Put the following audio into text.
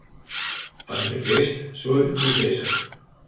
As ik it wist, soe ik it dy sizze.